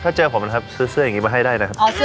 ถ้าเจอผมนะครับซื้อเสื้ออย่างนี้มาให้ได้นะครับ